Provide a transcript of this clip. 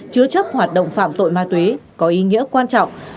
chứa chấp hoạt động phạm tội ma túy có ý nghĩa quan trọng